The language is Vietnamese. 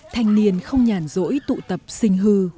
thành niên không nhàn rỗi tụ tập xình hư